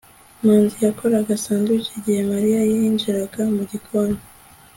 manzi yakoraga sandwich igihe mariya yinjiraga mu gikoni